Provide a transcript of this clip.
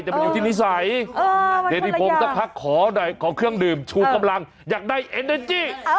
แต่มันอยู่ที่นิสัยเดทธิพงศ์สักพักขอหน่อยขอเครื่องดื่มชูกำลังอยากได้เอ็นเนอร์จี้